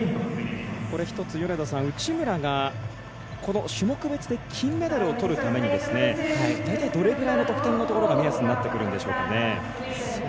１つ、米田さん、内村がこの種目別で金メダルをとるために大体、どれぐらいの得点が目安になってくるんでしょうかね。